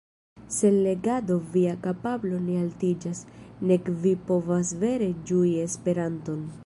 Sen legado via kapablo ne altiĝas, nek vi povas vere ĝui Esperanton.